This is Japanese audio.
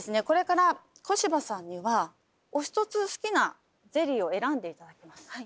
これから小芝さんにはお一つ好きなゼリーを選んでいただきます。